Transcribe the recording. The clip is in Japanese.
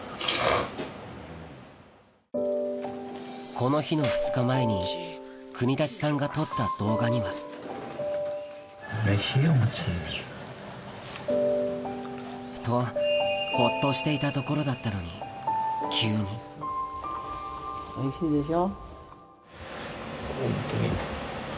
この日の２日前に國立さんが撮った動画にはとほっとしていたところだったのに急においしいでしょ。